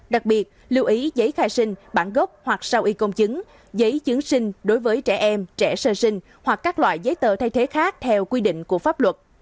đặc biệt lưu ý giấy khai sinh bản gốc hoặc sau y công chứng giấy chứng sinh đối với trẻ em trẻ sơ sinh hoặc các loại giấy tờ thay thế khác theo quy định của pháp luật